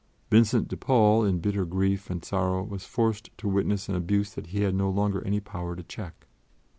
Vincent de Paul, in bitter grief and sorrow, was forced to witness an abuse that he had no longer any power to check.